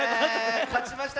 かちました。